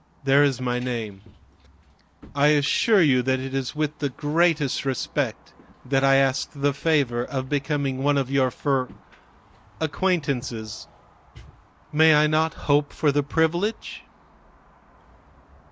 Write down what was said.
There is my name; I assure you that it is with the greatest respect that I ask the favor of becoming one of your fr acquaintances. May I not hope for the privilege?"